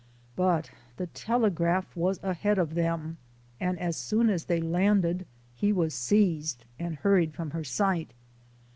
But the telegraph was ahead of them, and as soon as they landed he was seized and hurried from her sight.